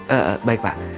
eh baik pak